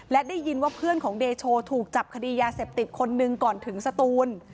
และได้ยินว่าเพื่อนของเดโชถูกจับคดียาเสพติดคนหนึ่งก่อนถึงสตูน